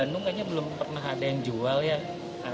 bandung kayaknya belum pernah ada yang jual ya